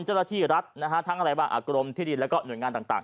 เจ้าหน้าที่รัฐนะฮะทั้งอะไรบ้างกรมที่ดินแล้วก็หน่วยงานต่าง